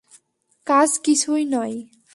কাজ কিছুই নয়।